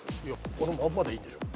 あのまんまでいいんだよ。